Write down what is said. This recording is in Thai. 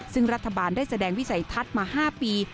ซึ่งรัฐบาลได้แสดงวิสัยทัศน์มา๕ปี